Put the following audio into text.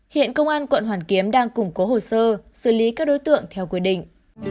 hiện công an quận hoàn kiếm đang củng cố hồ sơ xử lý các đối tượng theo quy định